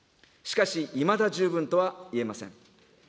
しかし、いまだ十分とはいえません。